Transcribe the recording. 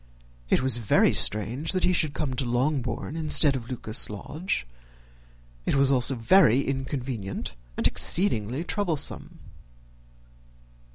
It was very strange that he should come to Longbourn instead of to Lucas Lodge; it was also very inconvenient and exceedingly troublesome.